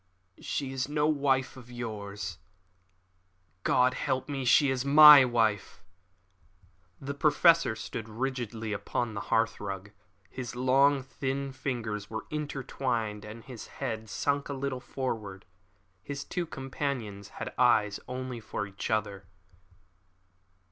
"She is no wife of yours. God help me, she is my wife." The Professor stood rigidly upon the hearthrug. His long, thin fingers were intertwined, and his head sunk a little forward. His two companions had eyes only for each other.